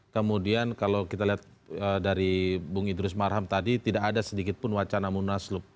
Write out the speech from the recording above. kemudian kalau kita lihat dari bung idrus marham tadi tidak ada sedikit pun wacana munaslup